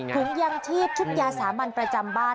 ยังชีพชุดยาสามัญประจำบ้าน